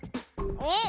えっ？